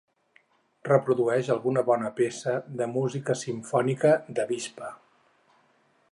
Reprodueix alguna bona peça de música simfònica d'Avispa.